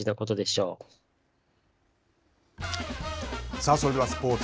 さあ、それではスポーツ。